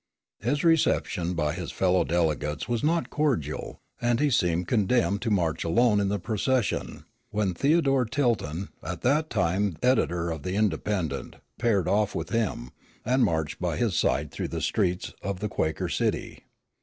His reception by his fellow delegates was not cordial, and he seemed condemned to march alone in the procession, when Theodore Tilton, at that time editor of the Independent, paired off with him, and marched by his side through the streets of the Quaker City.